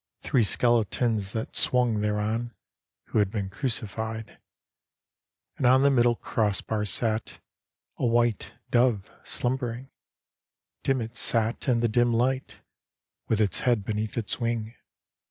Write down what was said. Three skeletons that swung thereon, Who had been crucified. And on the middle cross bar sat A white Dove slumbering; Dim it sat in the dim light, With its head beneath its wing.